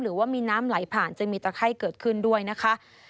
หรือว่ามีน้ำไหลผ่านจะมีตะไข้เกิดขึ้นด้วยนะคะ